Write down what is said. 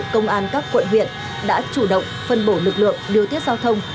công an các quận huyện đã chủ động phân bổ lực lượng điều tiết giao thông